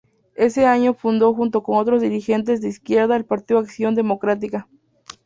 Ese año fundó junto con otros dirigentes de izquierda el partido Acción Democrática.